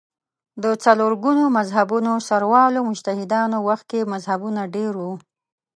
د څلور ګونو مذهبونو سروالو مجتهدانو وخت کې مذهبونه ډېر وو